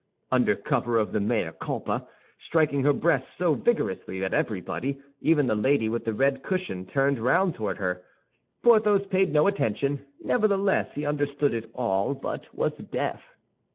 under cover of the mea culpa, striking her breast so vigorously that everybody, even the lady with the red cushion, turned round toward her. Porthos paid no attention. Nevertheless, he understood it all, but was deaf.